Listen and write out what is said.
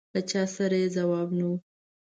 له چا سره یې ځواب نه و.